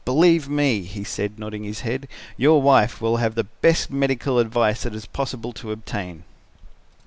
Believe me,' he said, nodding his head, 'your wife will have the best medical advice that it is possible to obtain.'